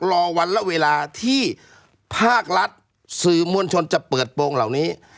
รอวันละเวลาที่ภาครัฐสื่อมวลชนจะเปิดโปรงเหล่านี้